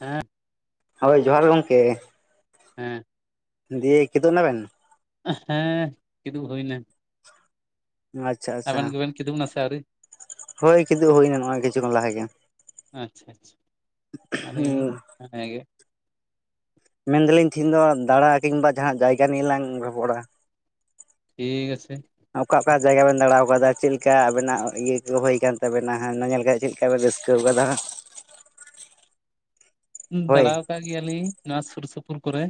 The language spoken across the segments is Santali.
ᱦᱮᱸᱻ ᱦᱳᱭ ᱡᱚᱦᱟᱨ ᱜᱮ ᱜᱚᱢᱠᱮ। ᱦᱮᱸᱻ ᱫᱤᱭᱮ ᱠᱤᱫᱩᱜ ᱮᱱᱟ ᱵᱮᱱ ᱮ ᱦᱮᱸ ᱠᱤᱫᱩᱜ ᱦᱩᱭ ᱮᱱᱟ ᱟᱪᱪᱷᱟ ᱟᱵᱮᱱ ᱟᱪᱪᱷᱟ ᱜᱮ ᱵᱮᱱ ᱠᱤᱫᱩᱜ ᱮ ᱱᱟᱥᱮ ᱟᱹᱣᱨᱤ? ᱦᱳᱭ ᱠᱤᱫᱩᱜ ᱦᱩᱭᱱᱟ ᱱᱚᱜᱼᱚᱭ ᱠᱤᱪᱷᱩ ᱠᱷᱚᱱ ᱞᱟᱦᱟ ᱜᱮ। ᱩᱫᱦᱩᱸ ᱮ [unintelligible] ᱢᱮᱱᱫᱟᱞᱤᱧ ᱛᱤᱦᱤᱧ ᱫᱚ ᱫᱟᱬᱟ ᱠᱤᱝᱵᱟ ᱡᱟᱦᱟᱸ ᱡᱟᱭᱜᱟ ᱱᱤᱭᱮ ᱞᱟᱝ ᱜᱚᱞᱯᱚᱵᱟᱲᱟᱜᱼᱟ ᱴᱷᱤᱠ ᱟᱪᱷᱮ ᱚᱠᱟ ᱚᱠᱟ ᱡᱟᱭᱜᱟ ᱵᱮᱱ ᱫᱟᱬᱟᱣ ᱠᱟᱫᱟ ᱪᱮᱫ ᱞᱮᱠᱟ ᱟᱵᱮᱱᱟᱜ ᱤᱭᱟᱹ ᱠᱚ ᱦᱩᱭ ᱠᱚᱱ ᱛᱟᱵᱮᱱᱟ ᱦᱮᱸ ᱚᱱᱟ ᱧᱮᱞ ᱠᱟᱛᱮᱫ ᱪᱮᱫ ᱮ [unintelligible] ᱨᱟᱹᱥᱠᱟᱹᱣ ᱠᱟᱫᱟ ᱫᱟᱬᱟ ᱟᱠᱟᱫ ᱜᱮᱭᱟᱞᱤᱧ ᱱᱚᱣᱟ ᱥᱩᱨ ᱥᱩᱯᱩᱨ ᱠᱚᱨᱮ᱾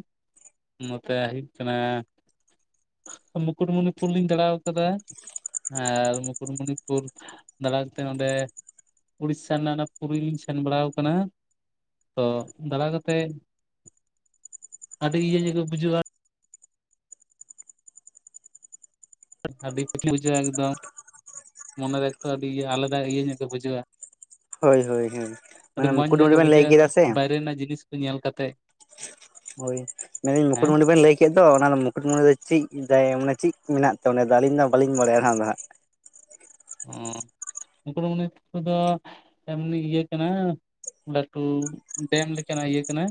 ᱱᱚᱛᱮ ᱦᱩᱭᱩᱜ ᱠᱟᱱᱟ ᱢᱩᱠᱩᱴᱢᱩᱱ ᱞᱩᱨ ᱞᱤᱧ ᱫᱟᱬᱟᱣ ᱟᱠᱟᱫᱟ। ᱟᱨ ᱢᱩᱠᱩᱴᱢᱩᱱᱤᱯᱩᱨ ᱫᱟᱬᱟ ᱠᱟᱛᱮ ᱚᱸᱰᱮ ᱩᱲᱤᱥᱥᱟ ᱨᱮᱱᱟᱜ ᱚᱱᱟ ᱯᱩᱨᱤᱞᱤᱧ ᱥᱮᱱ ᱵᱟᱲᱟᱣ ᱠᱟᱱᱟ। ᱛᱚ ᱫᱟᱟᱲᱟ ᱠᱟᱛᱮᱜ ᱟᱹᱰᱤ ᱤᱭᱟᱹ ᱧᱚᱜ ᱜᱮ ᱵᱩᱡᱷᱟᱹᱣ-ᱟ। ᱟᱹᱰᱤ ᱠᱩᱴ [inaudible] ᱵᱩᱡᱷᱟᱹᱜᱼᱟ ᱮᱠᱫᱚᱢ ᱢᱚᱱᱮᱨᱮ ᱮᱠᱴᱚ ᱟᱹᱰᱤ ᱟᱞᱟᱫᱟ ᱤᱭᱟᱹ ᱧᱚᱜ ᱜᱮ ᱵᱩᱡᱷᱟᱹᱜᱼᱟ। ᱦᱳᱭ ᱦᱳᱭ ᱦᱳᱭ ᱟᱹᱰᱤ ᱢᱟᱱᱮ ᱢᱚᱸᱡᱽ ᱧᱚᱜ ᱢᱩᱠᱩᱴᱢᱩᱱᱤ ᱜᱮ ᱵᱮᱱ ᱞᱟᱹᱭ ᱵᱩᱡᱷᱟᱹᱜᱼᱟ ᱠᱮᱫᱟ ᱥᱮ ᱵᱟᱭᱨᱮ ᱨᱮᱱᱟᱜ ᱡᱤᱱᱤᱥ ᱠᱚ ᱧᱮᱞ ᱠᱟᱛᱮᱜ। ᱦᱳᱭ ᱢᱮᱱᱫᱟᱹᱧ [unintelligible] ᱦᱮᱸ ᱢᱩᱠᱩᱴᱢᱩᱱᱰᱤ ᱵᱮᱱ ᱞᱟᱹᱭ ᱠᱮᱫ ᱫᱚ ᱚᱱᱟ ᱫᱚ ᱢᱩᱠᱩᱴᱢᱩᱱᱤ ᱫᱚ ᱪᱮᱫᱟᱭ ᱫᱟᱭᱟᱢ ᱢᱟᱱᱮ ᱪᱮᱫ ᱢᱮᱱᱟᱜ ᱛᱮ ᱚᱰᱮ ᱫᱚ ᱟᱹᱞᱤᱧ ᱫᱚ ᱵᱟᱞᱤᱧ ᱵᱟᱲᱟᱭᱟ ᱱᱟᱦᱟᱜ ᱚᱱᱟ ᱫᱚᱦᱟᱸᱜ। ᱚ ᱢᱩᱠᱩᱴᱢᱚᱱᱤᱯᱩᱨ ᱫᱚ ᱮᱢᱱᱤ ᱤᱭᱟᱹ ᱠᱟᱱᱟ। ᱞᱟᱹᱴᱩ ᱰᱮᱢ ᱞᱮᱠᱟᱱᱟᱜ ᱤᱭᱟᱹ ᱠᱟᱱᱟ᱾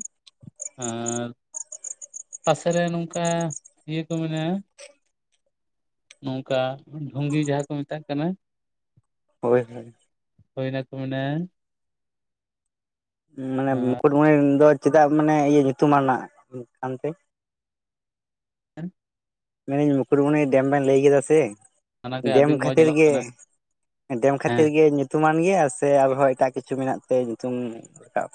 ᱟᱨ ᱯᱟᱥᱮ ᱨᱮ ᱱᱚᱝᱠᱟ ᱤᱭᱟᱹ ᱠᱚ ᱢᱮᱱᱟᱜᱼᱟ। ᱱᱚᱝᱠᱟ ᱰᱷᱩᱝᱜᱤ ᱡᱟᱦᱟᱸ ᱠᱚ ᱢᱮᱛᱟᱜ ᱠᱟᱱᱟ। ᱦᱳᱭ ᱦᱳᱭ ᱦᱳᱭ ᱱᱟᱠᱚ ᱢᱮᱱᱟ ᱢᱟᱱᱮ ᱟᱨ ᱢᱩᱠᱩᱴᱢᱩᱱᱤᱱ ᱫᱚ ᱪᱤᱫᱟᱜ ᱢᱟᱱᱮ ᱤᱭᱟᱹ ᱧᱩᱛᱩᱢᱟᱱᱟᱜ ᱠᱟᱱᱛᱮ ᱮᱱ ᱢᱮᱱᱫᱟᱹᱧ ᱢᱩᱠᱩᱴᱢᱩᱱᱤ ᱰᱮᱢ ᱵᱮᱧ ᱞᱮᱭ ᱠᱮᱫᱟ ᱥᱮ ᱚᱱᱟᱜᱮ ᱟᱹᱰᱤ ᱰᱮᱢ ᱢᱚᱸᱡᱽ ᱠᱷᱟᱹᱛᱤᱨ ᱧᱮᱞᱚᱜ ᱜᱮ ᱠᱟᱱᱟ ᱰᱮᱢ ᱦᱮᱸ ᱠᱷᱟᱹᱛᱤᱨ ᱜᱮ ᱧᱩᱛ ᱛᱩᱢᱟᱱ ᱜᱮᱭᱟ ᱥᱮ ᱟᱨᱦᱚᱸ ᱮᱴᱟᱜ ᱠᱤᱪᱷᱩ ᱢᱮᱱᱟᱜ ᱛᱮ ᱧᱩᱛᱩᱢ ᱨᱟᱠᱟᱵ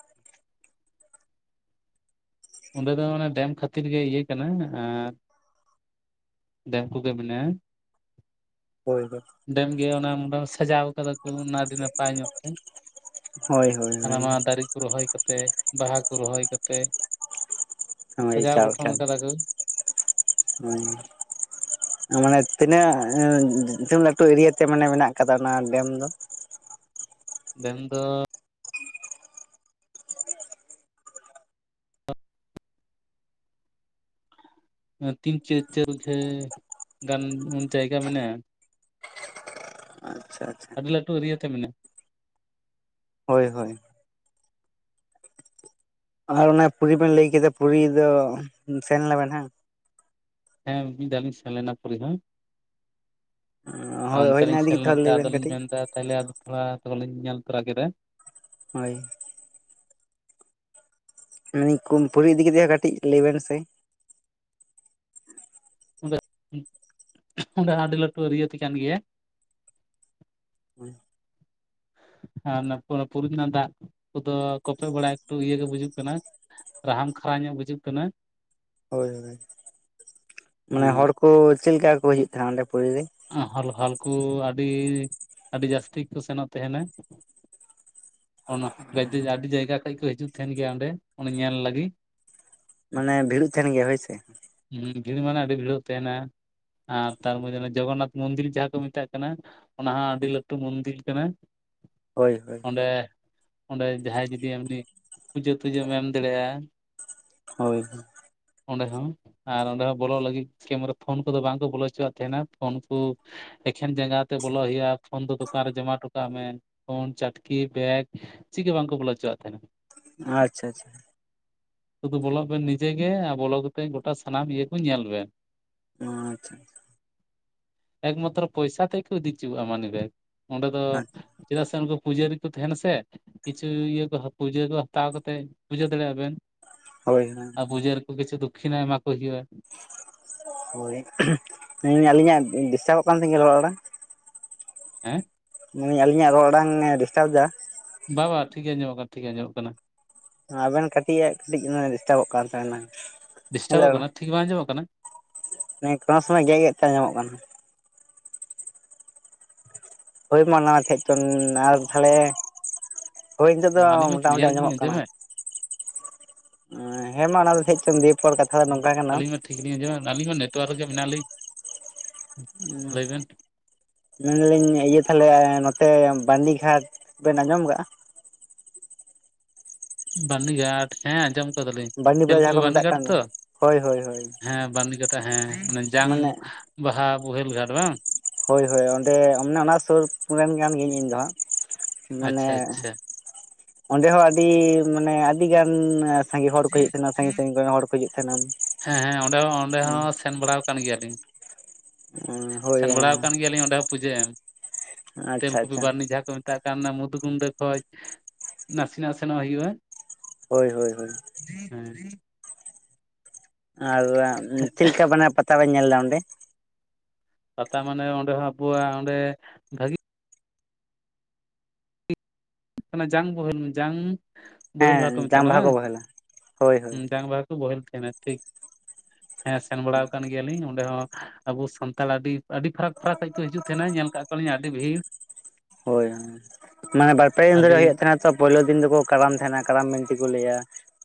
ᱚᱸᱰᱮ ᱫᱚ ᱢᱟᱱᱮ ᱰᱮᱢ ᱠᱷᱟᱹᱛᱤᱨ ᱜᱮ ᱤᱭᱟᱹ ᱠᱟᱱᱟ ᱟᱨ ᱰᱮᱢ ᱠᱚᱜᱮ ᱵᱮᱱᱟᱜᱼᱟ ᱦᱳᱭ ᱦᱳᱭ ᱰᱮᱢ ᱜᱮᱭᱟ ᱚᱱᱟ ᱢᱚᱴᱟ ᱥᱟᱡᱟᱣ ᱠᱟᱫᱟ ᱠᱩ ᱚᱱᱟ ᱟᱹᱰᱤ ᱱᱟᱯᱟᱭ ᱧᱚᱜ ᱛᱮ ᱦᱳᱭ ᱦᱟᱱᱟ ᱦᱳᱭ ᱱᱚᱣᱟ ᱫᱟᱨᱮ ᱠᱚ ᱨᱚᱦᱚᱭ ᱠᱟᱛᱮᱜ ᱵᱟᱦᱟ ᱠᱚ ᱨᱚᱦᱚᱭ ᱠᱟᱛᱮᱜ ᱦᱳᱭ ᱥᱟᱡᱟᱣ ᱚᱠᱟ ᱜᱚᱴᱷᱚᱱ ᱞᱮᱠᱟ ᱠᱟᱫᱟ ᱠᱚ ᱦᱳᱭ ᱟᱞᱟᱝᱟᱜ ᱛᱤᱱᱟᱹᱜ ᱛᱤᱱᱟᱹᱜ ᱞᱟᱹᱴᱩ ᱮᱨᱤᱭᱟ ᱛᱮ ᱢᱟᱱᱮ ᱢᱮᱱᱟᱜ ᱠᱟᱫᱟ ᱚᱱᱟ ᱰᱮᱢ ᱫᱚ ᱰᱮᱢ ᱫᱚ ᱛᱤᱱ ᱪᱟᱹ ᱪᱟᱹᱞ ᱡᱮ ᱜᱟᱱ ᱩᱱ ᱡᱟᱭᱜᱟ ᱢᱮᱱᱟᱜᱼᱟ ᱟᱪᱪᱷᱟ ᱟᱪᱪᱷᱟ ᱟᱹᱰᱤ ᱞᱟᱹᱴᱩ ᱮᱨᱤᱭᱟᱹ ᱛᱮ ᱢᱮᱱᱟᱜ ᱦᱳᱭ ᱦᱳᱭ ᱟᱨ ᱚᱱᱟ ᱯᱩᱨᱤ ᱵᱮᱱ ᱞᱮᱭ ᱠᱮᱫᱟ ᱯᱩᱨᱤ ᱫᱚ ᱥᱮᱱ ᱞᱮᱱᱟᱵᱮᱱ ᱦᱟᱝ ᱦᱮᱸ ᱢᱤ ᱢᱤᱫ ᱫᱷᱟᱣ ᱞᱤᱧ ᱥᱮᱱ ᱞᱮᱱᱟ ᱯᱩᱨᱤ ᱦᱚᱸ ᱟ ᱦᱳᱭ ᱚᱱᱛᱮ ᱦᱳᱭ ᱚᱱᱟ ᱞᱤᱧ ᱤᱫᱤ ᱥᱮᱱ ᱠᱟᱛᱮ ᱞᱮᱱᱛᱮ ᱞᱟᱹᱭ ᱵᱮᱱ ᱟᱫᱚᱞᱤᱧ ᱠᱟᱹᱴᱤᱡ ᱢᱮᱱᱫᱟ ᱛᱟᱦᱞᱮ ᱟᱨ ᱛᱷᱚᱲᱟ ᱟᱛᱳ ᱦᱚ ᱞᱤᱧ ᱧᱮᱞ ᱛᱚᱨᱟ ᱠᱮᱫᱟ ᱦᱳᱭ ᱢᱟᱱᱫᱟᱧ ᱠᱚᱢ ᱯᱩᱨᱤ ᱤᱫᱤ ᱠᱟᱛᱮᱜ ᱦᱚᱸ ᱠᱟᱹᱴᱤᱡ ᱞᱮᱭᱵᱮᱱ ᱥᱮ ᱚᱸᱰᱮ ᱚᱸᱰᱮ ᱟᱹᱰᱤ ᱞᱟᱹᱴᱩ ᱮᱨᱤᱭᱟᱛᱮ ᱠᱟᱱ ᱜᱮᱭᱟ ᱦᱩᱸ ᱟᱨ ᱚᱱᱟ ᱚᱱᱟ ᱯᱩᱨᱤ ᱨᱮᱱᱟᱜ ᱫᱟᱜ ᱠᱚᱫᱚ ᱠᱚᱯᱮᱜ ᱵᱟᱲᱟᱭ ᱮᱠᱴᱩ ᱤᱭᱟᱹ ᱜᱮ ᱵᱩᱡᱩᱜ ᱠᱟᱱᱟ ᱨᱟᱦᱟᱱ ᱠᱷᱟᱨᱟ ᱧᱚᱜ ᱵᱩᱡᱟᱹᱜ ᱠᱟᱱᱟ ᱦᱳᱭ ᱦᱳᱭ ᱢᱟᱱᱮ ᱦᱚᱲ ᱠᱚ ᱪᱮᱜ ᱞᱮᱠᱟ ᱠᱚ ᱦᱤᱡᱩᱜ ᱛᱟᱦᱮᱸᱱᱟ ᱚᱸᱰᱮ ᱯᱩᱨᱤ ᱨᱮ ᱚᱸ ᱦᱚᱞ ᱦᱚᱞ ᱠᱚ ᱟᱹᱰᱤ ᱟᱹᱰᱤ ᱡᱟᱹᱥᱛᱤ ᱠᱚ ᱥᱮᱱᱚᱜ ᱛᱟᱦᱮᱱᱟ [inaudible] ᱚᱱᱟ ᱞᱟᱹᱭᱫᱟᱹᱧ ᱟᱹᱰᱤ ᱡᱟᱭᱜᱟ ᱠᱷᱚᱡ ᱠᱚ ᱦᱤᱡᱩᱜ ᱛᱟᱦᱮᱱ ᱜᱮᱭᱟ᱾ ᱚᱸᱰᱮ ᱩᱱᱤ ᱧᱮᱞ ᱞᱟᱹᱜᱤᱜ ᱢᱟᱱᱮ ᱵᱷᱤᱲᱳᱜ ᱛᱟᱦᱮᱱ ᱜᱮᱭᱟ ᱦᱳᱭ ᱥᱮ, ᱦᱩᱸ ᱵᱷᱤᱲ ᱢᱟᱱᱮ ᱟᱹᱰᱤ ᱵᱷᱤᱲᱚᱜ ᱛᱟᱦᱮᱱᱟ᱾ ᱟᱨ ᱛᱟᱨ ᱯᱚᱨᱮ ᱚᱱᱟ ᱡᱚᱜᱚᱱᱱᱟᱛᱷ ᱢᱚᱱᱫᱤᱨ ᱡᱟᱦᱟᱸ ᱠᱚ ᱢᱮᱛᱟᱜ ᱠᱟᱱᱟ ᱾ ᱚᱱᱟ ᱦᱚᱸ ᱟᱹᱰᱤ ᱞᱟᱹᱴᱩ ᱢᱚᱱᱫᱤᱨ ᱠᱟᱱᱟ᱾ ᱦᱳᱭ, ᱦᱳᱭ, ᱚᱸᱰᱮ ᱚᱸᱰᱮ ᱡᱟᱦᱟᱸᱭ ᱡᱩᱫᱤ ᱮᱢᱱᱤ ᱯᱩᱡᱟᱹ ᱛᱩᱡᱟᱹᱢ ᱮᱢ ᱫᱟᱲᱮᱜᱼᱟ᱾ ᱦᱳᱭ, ᱦᱳᱭ, ᱚᱸᱰᱮ ᱦᱚᱸ ᱟᱨ ᱚᱸᱰᱮ ᱦᱚᱸ ᱵᱚᱞᱚᱜ ᱞᱟᱹᱜᱤᱫ ᱠᱮᱢᱮᱨᱟ ᱯᱷᱳᱱ ᱠᱚᱫᱚ ᱵᱟᱝ ᱠᱚ ᱵᱚᱞᱚ ᱦᱚᱪᱚᱣᱟᱜ ᱛᱟᱦᱮᱱᱟ᱾ ᱯᱷᱳᱱ ᱠᱩ ᱮᱠᱷᱮᱱ ᱡᱟᱸᱜᱟ ᱛᱮ ᱵᱚᱞᱚ ᱦᱳᱭᱳᱜᱼᱟ᱾ ᱯᱷᱳᱱ ᱫᱚ ᱫᱚᱠᱟᱱ ᱨᱮ ᱡᱚᱢᱟ ᱦᱚᱴᱚᱠᱟᱜ ᱢᱮᱱ, ᱯᱷᱳᱱ ᱪᱟᱴᱠᱤ ᱵᱮᱜᱽ ᱪᱤᱜ ᱜᱮ ᱵᱟᱝᱠᱚ ᱵᱚᱞᱚ ᱦᱚᱪᱚᱣᱟᱜ ᱛᱟᱦᱮᱱᱟ᱾ ᱟᱪᱪᱷᱟ ᱟᱪᱪᱷᱟ᱾ ᱥᱩᱫᱩ ᱵᱚᱞᱚᱜ ᱵᱮᱱ ᱱᱤᱡᱮ ᱜᱮ ᱟᱜ ᱵᱚᱞᱚ ᱠᱟᱛᱮᱜ ᱜᱚᱴᱟ ᱥᱟᱱᱟᱢ ᱤᱭᱟᱹ ᱠᱚ ᱧᱮᱞ ᱵᱮᱱ ᱟ ᱟᱪᱪᱷᱟ, ᱪᱷᱟ, ᱮᱠᱢᱟᱛᱨᱚ ᱯᱚᱭᱥᱟ ᱛᱮᱜ ᱠᱚ ᱤᱫᱤ ᱦᱚᱪᱚᱣᱟᱜᱼᱟ ᱢᱟᱱᱤ ᱵᱮᱜᱽ ᱚᱸᱰᱮ ᱫᱚ ᱟᱪᱪᱷᱟ ᱪᱮᱫᱟᱜ ᱥᱮ ᱩᱱᱠᱩ ᱯᱩᱡᱟᱹᱨᱤ ᱠᱚ ᱛᱟᱦᱮᱱᱟ ᱥᱮ, ᱠᱤᱪᱷᱩ ᱤᱭᱟᱹ ᱠᱚ ᱦᱟ ᱯᱩᱡᱟᱹ ᱠᱚ ᱦᱟᱛᱟᱣ ᱠᱟᱛᱮᱜ ᱯᱩᱡᱟᱹ ᱫᱟᱲᱮᱜ ᱟᱵᱮᱱ, ᱦᱳᱭ ᱟᱨ ᱯᱩᱡᱟᱹᱨᱤ ᱠᱚ ᱠᱤᱪᱷᱩ ᱫᱚᱠᱠᱷᱤᱱᱱᱟ ᱮᱢᱟ ᱠᱚ ᱦᱩᱭᱩᱜᱼᱟ᱾ ᱦᱳᱭ ᱟᱹᱞᱤᱧᱟᱜ ᱰᱤᱥᱴᱟᱵᱚᱜ ᱠᱟᱱ ᱛᱤᱧᱟ ᱨᱚᱲ ᱟᱲᱟᱝ ᱦᱮᱸ, ᱢᱟᱱᱮ ᱟᱞᱤᱧᱟᱜ ᱨᱚᱲ ᱟᱲᱟᱝ ᱮ ᱰᱤᱥᱴᱟᱵᱽ ᱫᱟ? ᱵᱟ ᱵᱟ ᱴᱷᱤᱠ ᱜᱮ ᱟᱸᱡᱚᱢᱚᱜ ᱠᱟᱱᱟ ᱴᱷᱤᱠ ᱜᱮ ᱟᱸᱡᱚᱢᱚᱜ ᱠᱟᱱᱟ ᱾ ᱟᱵᱮᱱ ᱠᱟᱹᱴᱤᱡ ᱟᱜ ᱠᱟᱹᱴᱤᱡ ᱰᱤᱥᱴᱟᱵᱚᱜ ᱠᱟᱱ ᱛᱟᱦᱮᱱᱟ᱾ ᱰᱤᱥᱴᱟᱵᱚᱜ ᱠᱟᱱᱟ ᱴᱷᱤᱠ ᱵᱟᱝ ᱟᱸᱡᱚᱢᱚᱜ ᱠᱟᱱᱟ? ᱮᱸ ᱠᱟᱸ ᱥᱚᱢᱚᱭ ᱜᱮᱫ ᱜᱮᱫ ᱛᱮ ᱟᱸᱡᱚᱢᱚᱜ ᱠᱟᱱᱟ᱾ ᱦᱳᱭ ᱢᱟ ᱱᱚᱣᱟ ᱪᱮᱫ ᱪᱚᱝ ᱟᱨ ᱛᱷᱟᱞᱮ, ᱦᱳᱭ ᱱᱤᱛᱳᱜ ᱫᱚ ᱟᱹᱞᱤᱧ ᱢᱟ ᱢᱳᱴᱟᱢᱩᱴᱤ ᱠᱞᱤᱭᱟᱨ ᱜᱮᱞᱤᱧ ᱟᱸᱡᱚᱢᱚᱜ ᱠᱟᱱᱟ᱾ ᱟᱸᱡᱚᱢᱮᱫ ᱦᱮᱸ ᱢᱟ ᱚᱱᱟ ᱫᱚ ᱦᱮᱡ ᱪᱚᱢ ᱫᱤᱭᱮ, ᱯᱚᱨ ᱠᱟᱛᱷᱟ ᱫᱚ ᱚ, ᱱᱚᱝᱠᱟ ᱠᱟᱱᱟ ᱟᱹᱞᱤᱧᱢᱟ ᱴᱷᱤᱠ ᱞᱤᱧ ᱟᱸᱡᱚᱢᱮᱫ ᱟᱹᱞᱤᱧᱢᱟ ᱱᱮᱴᱳᱣᱟᱨᱠ ᱨᱮᱜᱮ ᱢᱮᱱᱟᱜ ᱞᱤᱧ ᱦᱮᱸ ᱞᱟᱹᱭ ᱵᱮᱱ ᱢᱮᱱ ᱫᱟᱞᱤᱧ ᱤᱭᱟᱹ ᱛᱟᱦᱚᱞᱮ ᱱᱚᱛᱮ ᱵᱟᱸᱱᱫᱤᱜᱷᱟᱴ ᱵᱮᱱ ᱟᱸᱡᱚᱢ ᱟᱠᱟᱜᱼᱟ? ᱵᱟᱹᱨᱱᱤᱜᱷᱟᱴ ᱦᱮᱸ ᱟᱸᱡᱚᱢ ᱠᱟᱫᱟᱞᱤᱧ ᱵᱟᱸᱫᱤᱯᱚᱨᱟ ᱡᱟᱦᱟᱸ ᱛᱮᱞᱠᱩᱯᱤ ᱠᱚ ᱢᱮᱛᱟᱜ ᱵᱟᱹᱨᱱᱤᱜᱷᱟᱴ ᱠᱟᱱ ᱫᱚ ᱛᱚ, ᱦᱳᱭ ᱦᱳᱭ ᱦᱳᱭ ᱦᱮᱸ ᱵᱟᱸᱨᱱᱤᱜᱷᱟᱴ ᱦᱮᱸ ᱡᱟᱝ ᱢᱟᱱᱮ ᱵᱟᱦᱟ ᱵᱳᱦᱮᱞ ᱜᱷᱟᱴ ᱵᱟᱝ? ᱦᱳᱭ ᱦᱳᱭ ᱚᱸᱰᱮ ᱮ ᱚᱱᱮ ᱚᱱᱟ ᱥᱩᱨ ᱨᱮᱱ ᱠᱟᱱ ᱜᱤᱭᱟᱹᱧ ᱤᱧ ᱫᱚ ᱦᱟᱸᱜ, ᱢᱟᱱᱮ ᱟᱪᱪᱷᱟ ᱟᱪᱪᱷᱟ ᱚᱸᱰᱮ ᱦᱚᱸ ᱟᱹᱰᱤ ᱢᱟᱱᱮ ᱟᱹᱰᱤ ᱜᱟᱱ ᱥᱟᱸᱜᱤ ᱦᱚᱲ ᱠᱚᱦᱚ ᱦᱩᱭᱩᱜ ᱛᱟᱦᱮᱱᱟ ᱥᱟᱺᱜᱤᱧ ᱥᱟᱺᱜᱤᱧ ᱨᱮᱱ ᱦᱚᱲ ᱠᱚ ᱦᱤᱡᱩᱜ ᱛᱟᱦᱮᱱᱟ᱾ ᱦᱮᱸ ᱦᱮᱸ ᱚᱸᱰᱮ ᱦᱚᱸ ᱚᱸᱰᱮ ᱦᱚᱸ ᱥᱮᱱ ᱵᱟᱲᱟᱣ ᱠᱟᱱ ᱜᱮᱭᱟᱞᱤᱧ᱾ ᱦᱳᱭ ᱥᱮᱱ ᱵᱟᱲᱟᱣ ᱠᱟᱱ ᱜᱮᱭᱟᱞᱤᱧ ᱚᱸᱰᱮ ᱦᱚᱸ ᱯᱩᱡᱟᱹ ᱮᱢ ᱟᱪᱪᱷᱟ ᱛᱮᱞᱠᱩᱯᱤ ᱟᱪᱪᱷᱟ ᱵᱟᱨᱱᱤ ᱡᱟᱦᱟᱸ ᱠᱚ ᱢᱮᱛᱟᱜ ᱠᱟᱱ ᱚᱱᱟ ᱢᱩᱫᱷᱩ ᱠᱩᱱᱰᱟᱹ ᱠᱷᱚᱡ ᱱᱟᱥᱮᱱᱟᱜ ᱥᱮᱱᱚᱜ ᱦᱩᱭᱩᱜᱼᱟ᱾ ᱦᱳᱭ ᱦᱳᱭ ᱦᱳᱭ, ᱦᱮᱸ ᱟᱨ ᱪᱮᱫ ᱞᱮᱠᱟ ᱵᱟᱱᱮ ᱯᱟᱛᱟ ᱠᱚ ᱧᱮᱞ ᱮᱫᱟ ᱚᱸᱰᱮ? ᱯᱟᱛᱟ ᱢᱟᱱᱮ ᱚᱸᱰᱮ ᱦᱚᱸ ᱟᱵᱚᱣᱟᱜ ᱚᱸᱰᱮ ᱵᱷᱟᱜᱤ, ᱡᱟᱝ ᱵᱳᱦᱮᱞ ᱡᱟᱝ ᱵᱳᱦᱮᱞ ᱵᱟᱦᱟᱜ ᱠᱚ ᱦᱮᱸ ᱢᱮᱛᱟᱜ ᱡᱟᱝ ᱠᱟᱱᱟ ᱵᱟᱦᱟ ᱵᱟᱝ ᱠᱚ ᱵᱚᱦᱮᱞᱟ ᱦᱳᱭ ᱦᱳᱭ ᱡᱟᱝ ᱵᱟᱦᱟ ᱠᱚ ᱵᱳᱦᱮᱞ ᱛᱟᱦᱮᱱᱟ ᱴᱷᱤᱠ ᱦᱮᱸ ᱥᱮᱱ ᱵᱟᱲᱟᱣ ᱠᱟᱱ ᱜᱮᱭᱟᱞᱤᱧ ᱚᱸᱰᱮ ᱦᱚᱸ, ᱟᱵᱚ ᱥᱟᱱᱛᱟᱲ ᱟᱹᱰᱤ ᱟᱹᱰᱤ ᱯᱷᱟᱨᱟᱠ ᱯᱷᱟᱨᱟᱠ ᱠᱷᱚᱡ ᱠᱚ ᱦᱤᱡᱩᱜ ᱛᱟᱦᱮᱸᱱᱟ᱾ ᱧᱮᱞ ᱟᱠᱟᱫ ᱠᱚᱣᱟ ᱞᱤᱧ ᱟᱹᱰᱤ ᱵᱷᱤᱲ, ᱦᱳᱭ ᱦᱳ ᱢᱟᱱᱮ ᱵᱟᱨ ᱯᱮ ᱫᱤᱱ ᱟᱹᱰᱤ ᱫᱷᱚᱨᱮ ᱦᱩᱭᱩᱜ ᱛᱟᱦᱮᱸ ᱛᱚ ᱯᱳᱭᱞᱳ ᱫᱤᱱ ᱫᱚᱠᱚ ᱠᱟᱨᱟᱢ ᱛᱟᱦᱮᱱᱟ ᱠᱟᱨᱟᱢ ᱵᱤᱱᱛᱤ ᱠᱚ ᱞᱟᱹᱭᱟ᱾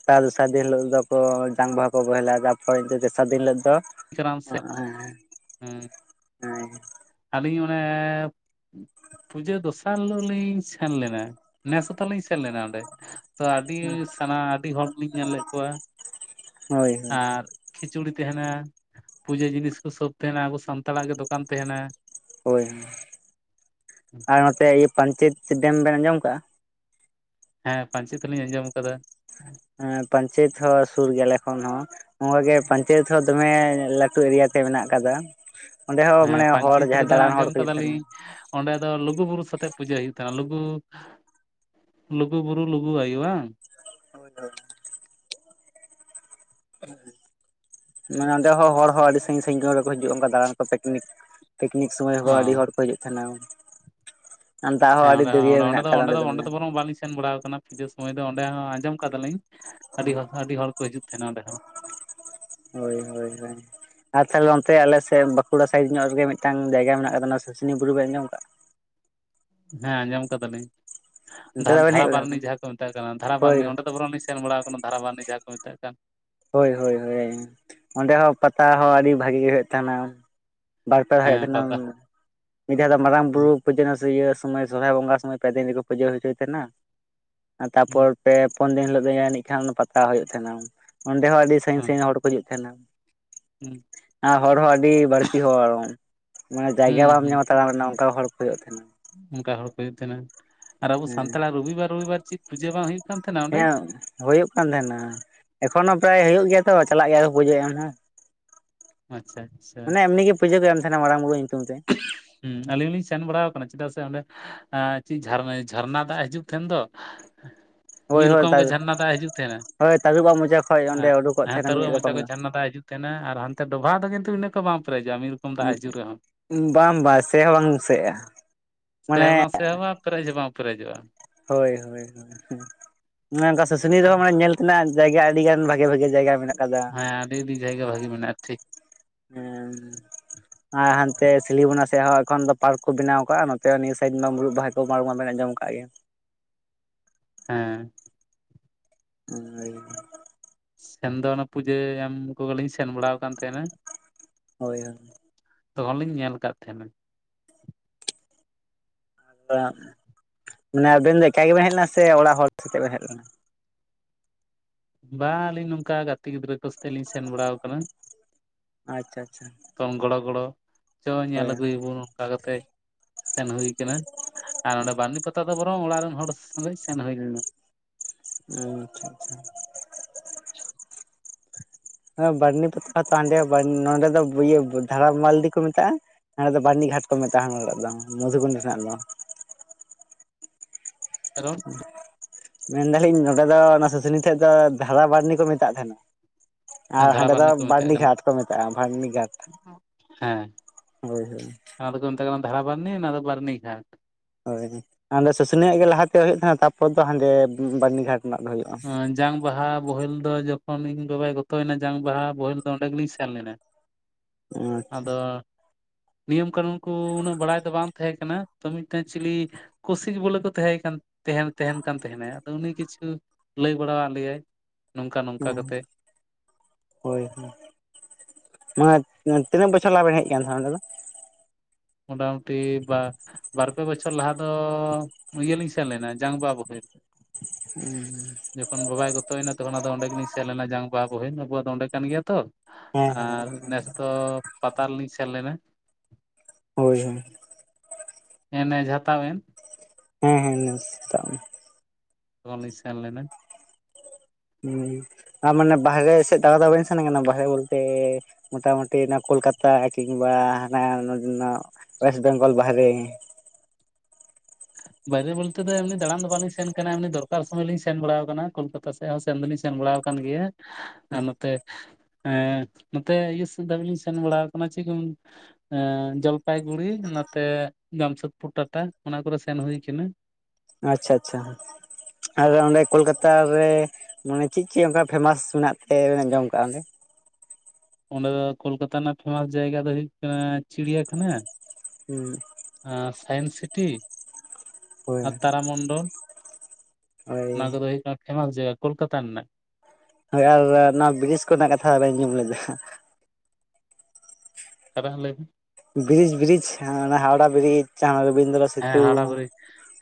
ᱛᱟᱨ ᱫᱚᱥᱟᱨ ᱫᱤᱱ ᱦᱤᱞᱳᱜ ᱫᱚ ᱡᱟᱝ ᱵᱟᱦᱟ ᱠᱚ ᱵᱚᱦᱮᱞᱟ ᱡᱟᱛᱯᱚᱨᱪᱚ ᱫᱚᱥᱟᱨ ᱫᱤᱱ ᱦᱤᱞᱳᱜ ᱫᱚ ᱠᱟᱨᱟᱢ ᱥᱮᱫ ᱦᱮᱸ [unintelligible] ᱟᱹᱞᱤᱧ ᱚᱸᱭᱮᱻ ᱯᱩᱡᱟᱹ ᱫᱚᱥᱟᱨ ᱦᱤᱞᱳᱜ ᱞᱤᱧ ᱥᱮᱱ ᱞᱮᱱᱟ ᱱᱮᱥ ᱦᱚᱛᱟᱞᱤᱧ ᱥᱮᱱ ᱞᱮᱱᱟ ᱚᱸᱰᱮ ᱛᱚ ᱟᱹᱰᱤ ᱥᱟᱱᱟ ᱟᱹᱰᱤ ᱦᱚᱲ ᱠᱚᱞᱤᱧ ᱧᱮᱞ ᱞᱮᱫ ᱠᱚᱣᱟ ᱦᱳᱭ ᱦᱳᱭ ᱟᱨ ᱠᱷᱤᱪᱩᱲᱤ ᱛᱟᱦᱮᱱᱟ ᱯᱩᱡᱟᱹ ᱡᱤᱱᱤᱥ ᱠᱚ ᱥᱚᱵ ᱛᱟᱦᱮᱱᱟ ᱟᱵᱚ ᱥᱟᱱᱛᱟᱲᱟᱜ ᱜᱮ ᱫᱚᱠᱟᱱ ᱛᱟᱦᱮᱱᱟ ᱦᱳᱭ ᱟᱨ ᱱᱚᱛᱮ ᱤᱭᱟᱹ ᱯᱟᱧᱪᱮᱛ ᱰᱮᱢ ᱵᱮᱱ ᱟᱸᱡᱚᱢ ᱟᱠᱟᱜᱼᱟ ᱦᱮᱸ ᱯᱟᱧᱪᱮᱛ ᱞᱤᱤᱧ ᱟᱸᱡᱚᱢ ᱟᱠᱟᱫᱟ ᱦᱮ ᱯᱟᱧᱪᱮᱛ ᱦᱚᱸ ᱥᱩᱨ ᱜᱮᱞᱮ ᱟᱞᱮ ᱠᱷᱚᱱ ᱦᱚᱸ ᱱᱚᱚᱣ ᱜᱮ ᱯᱟᱧᱪᱮᱛ ᱦᱚᱸ ᱫᱚᱢᱮ ᱞᱟᱹᱴᱩ ᱮᱨᱤᱭᱟ ᱛᱮ ᱢᱮᱱᱟᱜ ᱟᱠᱟᱫᱟ ᱚᱸᱰᱮ ᱦᱚᱸ ᱦᱮᱸ ᱢᱟᱱᱮ ᱦᱚᱲ ᱯᱟᱹᱧᱪᱤᱛ ᱡᱟᱦᱟᱸᱭ ᱨᱮᱫᱚ ᱫᱟᱬᱟᱱ ᱦᱚᱲ ᱟᱸᱡᱚᱢ ᱠᱚ ᱦᱤᱡᱩᱜ ᱠᱟᱫᱟᱞᱤᱧ ᱛᱟᱦᱮᱸᱱᱟ ᱚᱸᱰᱮ ᱫᱚ ᱞᱩᱜᱩᱵᱩᱨᱩ ᱥᱟᱜ ᱛᱮ ᱯᱩᱡᱟᱹ ᱦᱩᱭᱩᱜ ᱛᱟᱦᱮᱱᱟ ᱞᱩᱜᱩ ᱞᱩᱜᱩ ᱵᱩᱨᱩ ᱞᱩᱜᱩ ᱟᱹᱭᱩ ᱵᱟᱝ ᱦᱳᱭ ᱦᱳᱭ ᱚᱸᱰᱮ ᱦᱚᱸ ᱦᱚᱲ ᱦᱚᱸ ᱟᱹᱰᱤ ᱥᱟᱺᱜᱤᱧ ᱥᱟᱺᱜᱤᱧ ᱦᱚᱲᱜᱮ ᱠᱚ ᱦᱤᱡᱩᱜᱼᱟ ᱚᱱᱠᱟ ᱫᱟᱬᱟᱱ ᱠᱚ ᱯᱤᱠᱱᱤᱠ ᱯᱤᱠᱱᱤᱠ ᱥᱳᱚᱢᱚᱭ ᱚ ᱦᱚᱸ ᱟᱹᱰᱤ ᱦᱚᱲ ᱠᱚ ᱦᱤᱡᱩᱜ ᱛᱟᱦᱮᱱᱟ ᱟᱨ ᱫᱟᱜ ᱦᱚᱸ ᱦᱮᱸ ᱟᱹᱰᱤ ᱚᱸᱰᱮᱸ ᱦᱚᱸ ᱫᱟᱹᱨᱭᱟᱹ ᱚᱸᱰᱮ ᱢᱮᱱᱟᱜ ᱫᱚ ᱟᱠᱟᱫᱟ ᱚᱸᱰᱮ ᱫᱚ ᱚᱸᱰᱮ ᱢᱟᱱᱮ ᱫᱚ ᱵᱚᱨᱚᱝ ᱵᱟᱹᱞᱤᱧᱱ ᱥᱮᱱ ᱵᱟᱲᱟ ᱟᱠᱟᱱᱟ ᱦᱤᱡᱩᱜ ᱥᱩᱢᱟᱹᱭ ᱫᱚ ᱚᱸᱰᱮ ᱦᱚᱸ ᱟᱸᱡᱚᱢ ᱟᱠᱟᱫᱟᱞᱤᱧ ᱟᱹᱰᱤ ᱦᱚᱲ ᱥᱟᱣ ᱟᱹᱰᱤ ᱦᱚᱲ ᱠᱚ ᱦᱤᱡᱩᱜ ᱛᱟᱦᱮᱸᱱᱟ ᱚᱸᱰᱮ ᱦᱚᱸ ᱦᱳᱭ ᱦᱳᱭ ᱦᱳᱭ ᱟᱨ ᱛᱟᱦᱚᱞᱮ ᱚᱱᱛᱮ ᱟᱞᱮᱥᱮᱫ ᱵᱟᱸᱠᱩᱲᱟ ᱥᱟᱭᱤᱴ ᱧᱚᱜ ᱨᱮᱜᱮ ᱢᱤᱫᱴᱟᱝ ᱡᱟᱭᱜᱟ ᱢᱮᱱᱟᱜ ᱟᱠᱟᱫᱟ ᱥᱩᱥᱩᱱᱤᱭᱟᱹ ᱵᱩᱨᱩ ᱵᱮᱱ ᱟᱸᱡᱚᱢ ᱟᱠᱟᱫᱼᱟ ᱦᱮᱸ ᱟᱸᱡᱚᱢ ᱠᱟᱫᱟᱞᱤᱧ ᱚᱱᱛᱮ ᱫᱚ ᱵᱟᱵᱮᱱ ᱦᱮᱡ ᱵᱟᱲᱟ ᱫᱷᱟᱨᱟᱵᱟᱨᱱᱤ ᱟᱠᱟᱱᱟ ᱡᱟᱦᱟᱸ ᱠᱚ ᱢᱮᱛᱟᱜ ᱠᱟᱱᱟ ᱦᱳᱭ ᱫᱷᱟᱨᱟᱵᱟᱨᱱᱤ ᱚᱸᱰᱮ ᱫᱚ ᱵᱚᱨᱚᱢ ᱥᱮᱱ ᱵᱟᱲᱟᱣ ᱠᱟᱱᱟ ᱫᱷᱟᱨᱟᱵᱟᱦᱤᱱᱤ ᱡᱟᱦᱟᱸ ᱠᱚ ᱢᱮᱛᱟᱜ ᱠᱟᱱ ᱦᱳᱭ ᱦᱳᱭ ᱦᱳᱭᱳ ᱚᱸᱰᱮ ᱦᱚᱸ ᱯᱟᱛᱟ ᱦᱚᱸ ᱟᱹᱰᱤ ᱵᱷᱟᱜᱤ ᱜᱮ ᱦᱳᱭᱳᱜ ᱛᱟᱦᱮᱱᱟ ᱵᱟᱨ ᱯᱮᱫᱷᱟᱭ ᱦᱮᱡ ᱦᱮᱸ ᱞᱮᱱᱟ ᱯᱟᱛᱟ ᱢᱤᱫ ᱫᱷᱟᱣ ᱫᱚ ᱢᱟᱨᱟᱝ ᱦᱩᱸ ᱵᱩᱨᱩ ᱯᱩᱡᱟᱹ ᱱᱟ ᱥᱤᱭᱟᱹ ᱥᱚᱢᱚᱭ ᱥᱚᱨᱦᱟᱭ ᱵᱚᱸᱜᱟ ᱥᱚᱢᱚᱭ ᱯᱮ ᱫᱤᱱ ᱨᱮᱠᱚ ᱯᱩᱡᱟᱹ ᱦᱚᱪᱚᱭ ᱛᱟᱦᱮᱱᱟ ᱟᱨ ᱛᱟᱯᱚᱨ ᱦᱩᱸ ᱯᱮ ᱯᱩᱱ ᱫᱤᱱ ᱦᱤᱞᱳᱜ ᱫᱚ ᱡᱟᱱᱤᱡ ᱠᱷᱟᱱ ᱯᱟᱛᱟ ᱦᱩᱭᱩᱜ ᱛᱟᱦᱮᱱᱟ ᱚᱸᱰᱮ ᱦᱚᱸ ᱟᱹᱰᱤ ᱥᱟᱸᱜᱤᱧ ᱥᱟᱸᱜᱤᱧ ᱦᱚᱲ ᱠᱚ ᱦᱤᱡᱩᱜ ᱛᱟᱦᱮᱱᱟ ᱦᱩᱸ ᱟᱨ ᱦᱚᱲ ᱦᱚᱸ ᱟᱰᱤ ᱵᱟᱹᱲᱛᱤ ᱦᱚᱲ ᱢᱟᱱᱮ ᱡᱟᱭᱜᱟ ᱦᱩᱸ ᱵᱟᱢ ᱦᱩᱸ ᱧᱟᱢᱟ ᱛᱟᱲᱟᱢ ᱨᱮᱱᱟᱜ ᱚᱱᱠᱟ ᱦᱚᱲ ᱠᱚ ᱦᱩᱭᱩᱜ ᱛᱟᱦᱮᱱᱟ ᱚᱱᱠᱟ ᱦᱚᱲ ᱠᱚ ᱦᱩᱭᱩᱜ ᱛᱷᱮᱱᱟ ᱟᱨ ᱟᱵᱚ ᱥᱟᱱᱛᱟᱲ ᱟᱜ ᱨᱚᱵᱤ ᱵᱟᱨ ᱨᱚᱵᱤ ᱵᱟᱨ ᱪᱮᱫ ᱯᱩᱡᱟᱹ ᱵᱟᱝ ᱦᱩᱭᱩᱜ ᱠᱟᱱ ᱛᱟᱦᱮᱱᱟ ᱚᱸᱰᱮ ᱦᱮᱸ ᱦᱩᱭᱩᱜ ᱠᱟᱱ ᱛᱟᱦᱮᱱᱟ ᱮᱠᱷᱚᱱᱚ ᱯᱨᱟᱭ ᱦᱳᱭᱳᱜ ᱜᱮᱭᱟ ᱛᱚ ᱪᱟᱞᱟᱜ ᱜᱮᱭᱟ ᱠᱚ ᱯᱩᱡᱟᱹ ᱮᱢ ᱦᱚᱸ ᱟᱪᱪᱷᱟ ᱟᱪᱪᱷᱟ ᱢᱟᱱᱮ ᱮᱢᱱᱤ ᱜᱮ ᱯᱩᱡᱟᱹ ᱫᱚ ᱮᱢ ᱛᱷᱮᱱᱟ ᱢᱟᱲᱟᱝ ᱵᱩᱨᱩ ᱧᱩᱛᱩᱢ ᱛᱮ ᱦᱩᱸ ᱟᱞᱤᱧ ᱦᱚᱸ ᱞᱤᱧ ᱥᱮᱱ ᱵᱟᱲᱟᱣ ᱠᱟᱱᱟ ᱪᱮᱫᱟᱜ ᱥᱮ ᱚᱸᱰᱮ ᱟᱸᱜ ᱪᱮᱫ ᱡᱷᱟᱱᱟ ᱡᱷᱟᱨᱱᱟ ᱫᱟᱜ ᱦᱤᱡᱩᱜ ᱛᱷᱮᱱ ᱫᱚ ᱦᱳᱭ ᱢᱤᱫ ᱦᱳᱭ ᱨᱚᱠᱚᱢ ᱜᱮ ᱡᱷᱟᱨᱱᱟ ᱫᱟᱜᱽ ᱦᱤᱡᱩᱜ ᱛᱮᱦᱮᱱᱟ ᱦᱳᱭ ᱛᱟᱹᱨᱩᱵᱟᱜ ᱢᱚᱪᱟ ᱠᱷᱚᱡ ᱚᱸᱰᱮ ᱦᱮᱸ ᱩᱰᱩᱠᱚᱜ ᱛᱟᱦᱮᱱᱟ ᱦᱮᱛᱟᱹᱨᱩᱟᱹ ᱢᱤᱫ ᱢᱚᱪᱟ ᱨᱚᱠᱚᱢ ᱠᱚ ᱫᱚ ᱡᱷᱟᱱᱱᱟ ᱫᱟᱜᱽ ᱦᱤᱡᱩᱜ ᱛᱦᱮᱱᱟ ᱟᱨ ᱦᱟᱱᱛᱮ ᱰᱚᱵᱷᱟᱜ ᱨᱮᱜᱮᱛᱚ ᱤᱱᱟᱹ ᱠᱚ ᱵᱟᱝ ᱯᱮᱨᱮᱡᱚ- ᱟ ᱤᱱ ᱵᱟᱝ ᱵᱟᱝ ᱥᱮ ᱦᱚᱸ ᱵᱟᱝ ᱥᱮᱜᱼᱟ ᱛᱮ ᱦᱚᱸ ᱢᱟᱱᱮ ᱵᱟᱝ ᱥᱮ ᱦᱚᱸᱵᱟᱝ ᱯᱮᱨᱮᱡ ᱦᱚᱸ ᱵᱟᱝ ᱯᱮᱨᱮᱡᱚᱜᱼᱟ ᱦᱳᱭ ᱦᱳᱭ ᱦᱩᱸ ᱟᱱᱮ ᱚᱱᱠᱟ ᱥᱩᱥᱱᱤᱭᱳ ᱨᱮᱦᱚᱸ ᱢᱟᱱᱮ ᱧᱮᱞ ᱛᱮᱱᱟᱜ ᱡᱟᱭᱜᱟ ᱟᱹᱰᱤ ᱜᱟᱱ ᱵᱷᱟᱜᱮ ᱵᱷᱟᱜᱮ ᱡᱟᱭᱜᱟ ᱢᱮᱱᱟᱜ ᱠᱟᱫᱟ ᱦᱮᱸ ᱟᱹᱰᱤ ᱟᱹᱰᱤ ᱡᱟᱭᱜᱟ ᱵᱷᱟᱜᱤ ᱢᱮᱱᱟᱜᱼᱟ ᱴᱷᱤᱠ ᱦᱩᱸ ᱟᱨ ᱦᱟᱱᱛᱮ ᱥᱤᱞᱤᱵᱚᱱᱟ ᱥᱮᱫ ᱦᱚᱸ ᱮᱠᱷᱚᱱ ᱫᱚ ᱯᱟᱨᱠ ᱠᱚ ᱵᱮᱱᱟᱣ ᱠᱟᱜᱼᱟ ᱱᱚᱛᱮ ᱦᱚᱸ ᱱᱤᱭᱟᱹ ᱥᱟᱭᱤᱴ ᱢᱟ ᱢᱩᱨᱩᱫ ᱵᱟᱦᱟ ᱠᱚ ᱢᱟᱲ ᱢᱟ ᱵᱮᱱ ᱟᱸᱡᱚᱢ ᱠᱟᱜ ᱜᱮᱭᱟ ᱦᱮᱸ ᱦᱩᱸ ᱦᱳᱭ ᱠᱟᱱᱟ ᱥᱮᱱ ᱫᱚ ᱚᱱᱟ ᱯᱩᱡᱟᱹ ᱮᱢ ᱠᱚᱜᱮᱞᱤᱧ ᱥᱮᱱ ᱵᱟᱲᱟᱣ ᱠᱟᱱ ᱛᱮᱦᱮᱱᱟ ᱦᱳᱭ ᱦᱳᱭ ᱛᱚᱠᱷᱚᱱ ᱞᱤᱧ ᱧᱮᱞ ᱠᱟᱜ ᱛᱟᱦᱮᱱᱟ ᱫᱚᱱ ᱢᱟᱱᱮ ᱟᱵᱮᱱ ᱫᱚ ᱮᱠᱟ ᱜᱮᱵᱮᱱ ᱦᱮᱡ ᱞᱮᱱᱟ ᱥᱮ ᱚᱲᱟᱜ ᱦᱚᱲ ᱥᱟᱛᱮ ᱵᱮᱱ ᱦᱮᱡ ᱞᱮᱱᱟ ᱵᱟ ᱟᱹᱞᱤᱧ ᱱᱚᱝᱠᱟ ᱜᱟᱛᱮ ᱜᱤᱫᱽᱨᱟᱹ ᱠᱚ ᱥᱚᱛᱮᱜ ᱞᱤᱧ ᱥᱮᱱ ᱵᱟᱲᱟᱣ ᱠᱟᱱᱟ ᱟᱪᱪᱷᱟ ᱟᱪᱪᱷᱟ ᱛᱚᱝ ᱜᱲᱚ ᱜᱚᱲᱚ, ᱪᱚ ᱧᱮᱞ ᱦᱳᱭ ᱟᱹᱜᱩᱭᱟᱵᱩᱱ ᱚᱱᱠᱟ ᱠᱟᱛᱮ ᱥᱮᱱ ᱦᱩᱭ ᱠᱟᱱᱟ ᱟᱨ ᱱᱚᱰᱮ ᱵᱟ [inaudible] ᱯᱟᱛᱟ ᱫᱚ ᱵᱚᱨᱚᱝ ᱚᱲᱟᱜ ᱨᱮᱱ ᱦᱚᱲ ᱠᱚ ᱥᱮᱞᱮᱜ ᱥᱮᱱ ᱦᱩᱭ ᱞᱮᱱᱟ᱾ ᱚᱸᱻ [unintelligible] ᱟᱪᱪᱷᱟ ᱟᱪᱪᱷᱟ ᱪᱚᱼᱡ ᱦᱚ ᱵᱟᱨᱱᱤ ᱯᱟᱛᱟ ᱛᱚ ᱦᱟᱸᱰᱮ ᱱᱚᱰᱮ ᱫᱚ ᱤᱭᱟᱹ ᱫᱷᱟᱨᱟᱯ ᱢᱟᱞᱰᱤ ᱠᱚ ᱢᱮᱛᱟᱜᱼᱟ ᱾ ᱦᱟᱸᱲᱮ ᱫᱚ ᱵᱟᱹᱨᱱᱤᱜᱷᱟᱴ ᱠᱚ ᱢᱮᱛᱟᱜᱼᱟ ᱱᱚᱰᱮ ᱱᱟᱜ [inaudible] ᱫᱚ ᱢᱚᱫᱷᱩᱠᱩᱱ ᱴᱷᱮᱱᱟᱜ ᱫᱚ, ᱠᱟᱨᱚᱱ ᱢᱮᱱ ᱮᱫᱟᱞᱤᱧ ᱱᱚᱰᱮ ᱫᱚ ᱚᱱᱟ ᱥᱩᱥᱩᱱᱤ ᱴᱷᱮᱡ ᱫᱚ ᱫᱷᱟᱨᱟ ᱵᱟᱹᱨᱱᱤ ᱠᱚ ᱢᱮᱛᱟᱜ ᱛᱟᱦᱮᱱᱟ ᱾ ᱟᱨ ᱫᱷᱟᱨᱟ ᱦᱟᱸᱰᱮ ᱫᱚ ᱵᱟᱨᱱᱤ ᱠᱚ ᱢᱮᱛᱟᱜ ᱠᱟᱱᱟ ᱵᱟᱹᱨᱱᱤᱜᱷᱟᱴ ᱠᱚ ᱢᱮᱛᱟᱜᱼᱟ ᱵᱟᱹᱨᱱᱤᱜᱷᱟᱴ, ᱦᱮᱸ ᱦᱳᱭ ᱦᱳᱭ ᱚᱱᱟ ᱫᱚᱠᱚ ᱢᱮᱛᱟᱜ ᱠᱟᱱᱟ ᱫᱷᱟᱨᱟ ᱵᱟ. ᱨᱱᱤ ᱚᱱᱟ ᱫᱚ ᱵᱟ. ᱨᱱᱤ ᱜᱷᱟᱴ ᱦᱳᱭ ᱟᱞᱮ ᱥᱩᱥᱩᱱᱤᱭᱟᱹ ᱟᱜ ᱜᱮ ᱞᱟᱦᱟᱛᱮ ᱦᱳᱭᱳᱜ ᱛᱟᱦᱮᱸᱱᱟ ᱛᱟᱨᱯᱚᱨ ᱛᱚ ᱦᱟᱸᱰᱮ ᱵᱟᱹᱨᱱᱤᱜᱷᱟᱴ ᱨᱮᱱᱟᱜ ᱫᱚ ᱦᱩᱭᱩᱜᱼᱟ ᱡᱟᱝ ᱵᱟᱦᱟ ᱵᱳᱦᱮᱞ ᱫᱚ ᱡᱚᱠᱷᱚᱱ ᱤᱧ ᱵᱟᱵᱟᱭ ᱜᱚᱛᱚᱭᱮᱱᱟ ᱡᱟᱝ ᱵᱟᱦᱟ ᱵᱳᱚᱦᱮᱞ ᱫᱚ ᱚᱸᱰᱮ ᱜᱮᱞᱤᱧ ᱥᱮᱱ ᱞᱮᱱᱟ᱾ ᱟᱪᱪᱷᱟ ᱟᱫᱚ ᱱᱤᱭᱚᱢ ᱠᱟᱹᱱᱩᱱ ᱠᱚ ᱩᱱᱟᱹᱜ ᱵᱟᱲᱟᱭ ᱫᱚ ᱵᱟᱝ ᱛᱟᱦᱮᱸ ᱠᱟᱱᱟ ᱛᱚ ᱢᱤᱫᱴᱮᱱ ᱪᱤᱞᱤ ᱠᱩᱥᱤᱠ ᱵᱚᱞᱮ ᱠᱚ ᱛᱟᱦᱮᱸ ᱠᱟᱱ ᱛᱟᱦᱮᱱ ᱛᱟᱦᱮᱱ ᱠᱟᱱ ᱛᱟᱦᱮᱱᱟ ᱟᱫᱚ ᱩᱱᱤ ᱠᱤᱪᱷᱩ ᱞᱟᱹᱭ ᱵᱟᱲᱟ ᱣᱟᱫ ᱞᱮᱭᱟᱭ ᱱᱚᱝᱠᱟ ᱱᱚᱝᱠᱟ ᱚᱸ ᱠᱟᱛᱮᱜ ᱦᱳᱭ ᱢᱟᱱᱮ ᱛᱤᱱᱟᱹᱜ ᱵᱚᱪᱷᱚᱨ ᱞᱟᱦᱟ ᱵᱮᱱ ᱦᱮᱡ ᱟᱠᱟᱱ ᱛᱟᱦᱮᱱᱟ ᱚᱸᱰᱮ ᱫᱚ? ᱢᱚᱴᱟ ᱢᱩᱴᱤ ᱵᱟᱨ-ᱯᱮ ᱵᱚᱪᱷᱚᱨ ᱞᱟᱦᱟ ᱫᱚ ᱤᱭᱟᱹᱞᱤᱧ ᱥᱮᱱᱞᱮᱱᱟ ᱡᱟᱝ ᱵᱟᱦᱟ ᱵᱚᱦᱮᱞ, [inaudible] ᱡᱚᱠᱷᱚᱱ ᱵᱟᱵᱟᱭ ᱜᱚᱛᱚ ᱮᱱᱟ ᱛᱚᱠᱷᱚᱱ ᱟᱫᱚ ᱚᱸᱰᱮ ᱜᱮᱞᱤᱧ ᱥᱮᱱ ᱞᱮᱱᱟ ᱡᱟᱝ ᱵᱟᱦᱟ ᱵᱚᱦᱮᱞ, ᱟᱵᱚᱣᱟᱜ ᱫᱚ ᱚᱸᱰᱮ ᱠᱟᱱ ᱜᱮᱭᱟ ᱛᱚ। ᱦᱮᱸ ᱟᱨ ᱦᱮᱸ ᱱᱮᱥ ᱫᱚ ᱯᱟᱛᱟ ᱨᱮ ᱞᱤᱧ ᱥᱮᱱ ᱞᱮᱱᱟ। ᱦᱳᱭ ᱦᱳᱭ। ᱮᱱᱮ ᱡᱟᱸᱦᱟ ᱛᱟᱵ ᱮᱱ। ᱦᱮᱸ ᱦᱮᱸ ᱱᱟᱥᱛᱟᱜ ᱢᱮ। [unintelligible] ᱥᱮᱱ ᱞᱮᱱᱟ। ᱦᱩᱸᱻ ᱟᱨ ᱢᱟᱱᱮ ᱵᱟᱦᱨᱮ ᱥᱮᱫ ᱫᱟᱬᱟ ᱫᱚ ᱵᱟᱹᱝ ᱵᱮᱱ ᱥᱮᱱ ᱟᱠᱟᱱᱟ, ᱵᱟᱦᱚᱨᱮ ᱵᱚᱞᱛᱮ ᱢᱚᱴᱟ ᱢᱩᱴᱤ ᱚᱱᱟ ᱠᱳᱞᱠᱟᱛᱟ ᱠᱤᱝᱵᱟ ᱦᱟᱱᱟ ᱱᱚᱰᱮᱱᱟᱜ ᱚᱭᱮᱥᱴ ᱵᱮᱝᱜᱚᱞ ᱵᱟᱦᱨᱮ? ᱵᱟᱭᱨᱮ ᱵᱚᱞᱛᱮ ᱫᱚ ᱮᱢᱱᱮ ᱫᱟᱬᱟᱱ ᱫᱚ ᱵᱟᱞᱤᱧ ᱥᱮᱱ ᱟᱠᱟᱱᱟ, ᱮᱢᱱᱮ ᱫᱚᱨᱠᱟᱨ ᱥᱚᱢᱚᱭ ᱞᱤᱧ ᱥᱮᱱ ᱵᱟᱲᱟ ᱟᱠᱟᱱᱟ ᱠᱳᱞᱠᱟᱛᱟ ᱥᱮᱫ। ᱛᱮ ᱦᱚᱸ ᱥᱮᱱ ᱫᱚᱞᱤᱧ ᱥᱮᱱ ᱵᱟᱲᱟ ᱟᱠᱟᱱ ᱜᱮᱭᱟ [unintelligible] ᱟᱨ ᱱᱚᱛᱮ ᱮᱸᱻ ᱱᱚᱛᱮ ᱤᱭᱟᱹ ᱥᱮᱫ ᱫᱷᱟᱹᱵᱤᱡ ᱞᱤᱧ ᱥᱮᱱ ᱵᱟᱲᱟ ᱟᱠᱟᱱᱟ ᱪᱮᱫ ᱠᱚ ᱢᱮ ᱮᱸᱻ ᱡᱚᱞᱯᱟᱭᱜᱩᱲᱤ, ᱱᱚᱛᱮ ᱡᱟᱢᱥᱮᱫᱽᱯᱩᱨ ᱴᱟᱴᱟ ᱚᱱᱟ ᱠᱚᱨᱮ ᱥᱮᱱ ᱦᱩᱭ ᱠᱟᱱᱟ। ᱟᱪᱪᱷᱟ ᱟᱪᱪᱷᱟ ᱟᱨ ᱚᱸᱰᱮ ᱠᱳᱞᱠᱟᱛᱟ ᱨᱮ ᱱᱚᱰᱮ ᱪᱮᱫ ᱪᱮᱫ ᱚᱱᱠᱟ ᱯᱷᱮᱢᱟᱥ ᱢᱮᱱᱟᱜ ᱛᱮ ᱟᱧᱡᱚᱢ ᱟᱠᱟᱫᱼᱟ ᱚᱸᱰᱮ? ᱚᱸᱰᱮ ᱫᱚ ᱠᱳᱞᱠᱟᱛᱟ ᱨᱮᱱᱟᱜ ᱯᱷᱮᱢᱟᱥ ᱡᱟᱭᱜᱟ ᱫᱚ ᱦᱩᱭᱩᱜ ᱠᱟᱱᱟ ᱪᱤᱲᱤᱭᱟᱠᱷᱟᱱᱟ। ᱦᱩᱸ। ᱟᱨ ᱥᱟᱭᱤᱱᱥ ᱥᱤᱴᱤ, ᱦᱳᱭ ᱟᱨ ᱛᱟᱨᱟᱢᱚᱱᱰᱚᱞ ᱦᱳᱭ ᱚᱱᱟ ᱠᱚᱫᱚ ᱦᱩᱭᱩᱜ ᱠᱟᱱᱟ ᱯᱷᱮᱢᱟᱥ ᱡᱟᱭᱜᱟ ᱠᱳᱞᱠᱟᱛᱟ ᱨᱮᱱᱟᱜ। ᱦᱳᱭ ᱟᱨ ᱱᱚᱣᱟ ᱵᱨᱤᱡ ᱠᱚᱨᱮᱱᱟᱜ ᱠᱟᱛᱷᱟ ᱵᱟᱹᱧ ᱟᱧᱡᱚᱢ ᱞᱮᱫᱟ? ᱟᱨ ᱛᱟᱦᱚᱞᱮ- [unintelligible] ᱵᱨᱤᱡ ᱵᱨᱤᱡᱽ ᱦᱟᱣᱲᱟ ᱵᱨᱤᱡ ᱡᱟᱸᱦᱟ [unintelligible] ᱨᱚᱵᱤᱱᱫᱨᱚ ᱦᱮᱸ ᱥᱮᱛᱩ ᱦᱟᱣᱟᱲᱟ ᱵᱨᱤᱡᱽ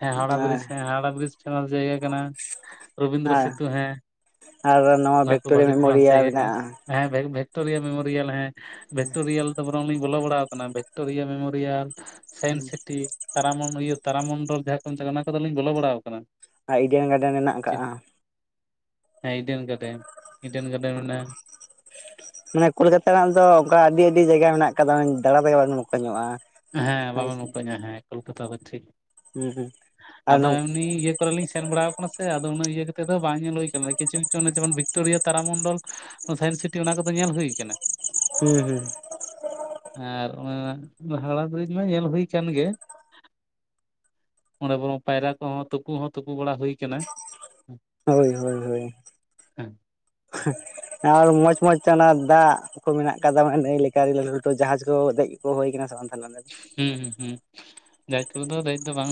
ᱦᱮᱸ ᱦᱟᱣᱲᱟ ᱵᱨᱤᱡᱽ ᱦᱮᱸ ᱦᱟᱣᱲᱟ ᱵᱨᱤᱡᱽ ᱯᱷᱮᱢᱟᱥ ᱡᱟᱭᱜᱟ ᱠᱟᱱᱟ। ᱨᱚᱵᱤᱱᱫᱨᱚ ᱟᱨ ᱥᱤᱛᱩ ᱦᱮᱸ ᱟᱨ ᱱᱚᱣᱟ ᱚᱱᱟ ᱠᱚ ᱵᱷᱤᱠᱴᱳᱨᱤᱭᱟ ᱵᱷᱟᱹᱜᱤ ᱯᱷᱮᱢᱟᱥ ᱢᱮᱢᱳᱨᱤᱭᱟ ᱡᱟᱭᱜᱟ ᱠᱟᱱᱟ। ᱢᱮᱱᱟᱜᱼᱟ ᱦᱮᱸ ᱵᱷᱮᱠ ᱵᱷᱤᱠᱴᱳᱨᱤᱭᱟᱞ ᱢᱮᱢᱳᱨᱤᱭᱟᱞ ᱦᱮᱸ ᱵᱷᱤᱠᱴᱳᱨᱤᱭᱟᱞ ᱫᱚ ᱵᱚᱨᱚᱝ ᱞᱤᱧ ᱵᱚᱞᱚ ᱵᱟᱲᱟ ᱟᱠᱟᱱᱟ, ᱵᱷᱤᱠᱴᱳᱨᱤᱭᱟ ᱢᱮᱢᱳᱨᱤᱭᱟᱞ, ᱥᱟᱭᱤᱱᱥ ᱥᱤᱴᱤ, ᱛᱟᱨᱟᱢᱚᱢ ᱤᱭᱟᱹ ᱛᱟᱨᱟ ᱢᱚᱱᱰᱚᱞ ᱡᱟᱸᱦᱟ ᱠᱚ ᱢᱮᱛᱟᱜ ᱠᱟᱱᱟ ᱚᱱᱟ ᱠᱚᱫᱚ ᱞᱤᱧ ᱵᱚᱞᱚ ᱵᱟᱲᱟ ᱟᱠᱟᱱᱟ। ᱟᱨ ᱤᱰᱮᱱ ᱜᱟᱨᱰᱮᱱ ᱢᱮᱱᱟᱜ ᱟᱠᱟᱫᱼᱟ। ᱦᱮᱸ ᱤᱰᱮᱱ ᱜᱟᱨᱰᱮᱱ, ᱤᱰᱮᱱ ᱜᱟᱨᱰᱮᱱ ᱢᱮᱱᱟᱜᱼᱟ, ᱢᱟᱱᱮ ᱠᱳᱞᱠᱟᱛᱟ ᱨᱮᱱᱟᱜ ᱫᱚ ᱚᱱᱠᱟ ᱟᱹᱰᱤ ᱟᱹᱰᱤ ᱡᱟᱭᱜᱟ ᱢᱮᱱᱟᱜ ᱠᱟᱫᱟ, ᱫᱟᱬᱟ ᱛᱮᱜᱮ ᱵᱟᱵᱮᱱ ᱢᱚᱠᱚᱧᱚᱜ-ᱟ। ᱦᱮᱸ ᱵᱟᱵᱚᱱ ᱢᱚᱠᱚᱧᱚᱜ -ᱟ ᱦᱮᱸ ᱠᱳᱞᱠᱟᱛᱟ ᱫᱚ ᱴᱷᱤᱠ ᱦᱩᱸ ᱦᱩᱸ ᱟᱨ ᱟᱫᱚ ᱦᱩᱸ ᱮᱢᱱᱤ ᱤᱭᱟᱹ ᱠᱚᱨᱮᱤᱧ ᱥᱮᱱ ᱵᱟᱲᱟᱣ ᱠᱟᱱᱟ ᱥᱮ ᱟᱫᱚ ᱩᱱᱟᱜ ᱤᱭᱟᱹ ᱠᱟᱛᱮ ᱫᱚ ᱵᱟᱝ ᱧᱮᱞ ᱦᱩᱭ ᱠᱟᱱᱟ ᱠᱤᱪᱷᱩ ᱠᱤᱪᱷᱩ ᱡᱮᱢᱚᱱ ᱵᱷᱤᱠᱴᱳᱨᱤᱭᱟ ᱛᱟᱨᱟ ᱢᱚᱱᱰᱚᱞ। ᱚ ᱥᱟᱭᱮᱱᱥ ᱥᱤᱴᱤ ᱚᱱᱟ ᱠᱚᱫᱚ ᱧᱮᱞ ᱦᱩᱭ ᱠᱟᱱᱟ। ᱦᱮᱸ ᱦᱮᱸ। ᱟᱨ ᱚᱱᱟ ᱦᱟᱣᱲᱟ ᱵᱤᱨᱤᱡ ᱢᱟ ᱧᱮᱞ ᱦᱩᱭ ᱠᱟᱱ ᱜᱮ। ᱚᱸᱰᱮ ᱵᱚᱨᱚᱝ ᱯᱟᱭᱨᱟ ᱠᱚᱦᱚᱸ ᱛᱩᱯᱩ ᱦᱚᱸ ᱛᱩᱯᱩ ᱵᱟᱲᱟ ᱦᱩᱭ ᱠᱟᱱᱟ। ᱦᱳᱭ ᱦᱳᱭ ᱦᱳᱭ ᱦᱩᱸ ᱮ-ᱦᱮᱸ ᱟᱨ ᱢᱚᱸᱡᱽ ᱢᱚᱸᱡᱽ ᱛᱮ ᱚᱱᱟ ᱫᱟᱜ ᱠᱚ ᱢᱮᱱᱟᱜ ᱠᱟᱫᱟ, ᱢᱟᱱᱮ ᱱᱟᱹᱭ ᱞᱮᱠᱟ ᱟᱹᱰᱤ ᱞᱟᱹᱴᱩ ᱞᱟᱹᱴᱩ ᱡᱟᱦᱟᱡᱽ ᱠᱚ ᱫᱮᱡ ᱠᱚ ᱦᱩᱭ ᱟᱠᱟᱱᱟ ᱥᱮ ᱵᱟᱝ ᱛᱟᱦᱚᱞᱮ ᱚᱸᱰᱮ ᱫᱚ? ᱦᱩᱸ ᱦᱩᱸ ᱦᱩᱸ ᱡᱟᱦᱟᱡᱽ ᱠᱚᱨᱮ ᱫᱚ ᱫᱮᱡ ᱫᱚ ᱵᱟᱝ